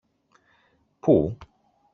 Πού;